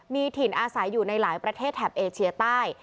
มีถิ่นอาศัยอยู่ในหลายประเทศแถบเอเชียใต้